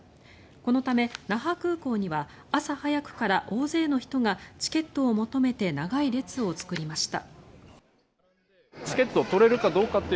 このため、那覇空港には朝早くから大勢の人がチケットを求めて長い列を作りました。